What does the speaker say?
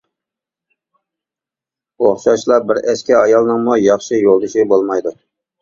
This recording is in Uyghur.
ئوخشاشلا، بىر ئەسكى ئايالنىڭمۇ ياخشى يولدىشى بولمايدۇ.